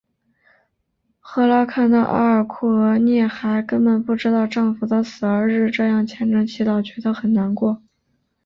赫拉看到阿尔库俄涅还根本不知道丈夫的死而日日这样虔诚祈祷觉得很难过。